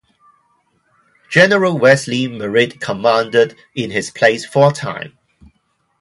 General Wesley Merritt commanded in his place for a time.